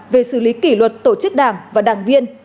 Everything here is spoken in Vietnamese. về xử lý kỷ luật tổ chức đảng và đảng viên